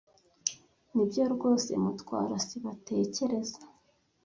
Nibyo rwose Mutwara sibo atekereza.